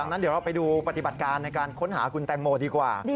ดังนั้นเดี๋ยวเราไปดูปฏิบัติการในการค้นหาคุณแตงโมดีกว่า